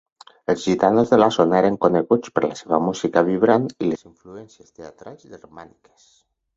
Els gitanos de la zona eren coneguts per la seva música vibrant i les influències teatrals germàniques.